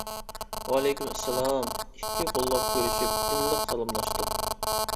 -ۋەئەلەيكۇم ئەسسالام، -ئىككى قوللاپ كۆرۈشۈپ. ئىللىق سالاملاشتۇق.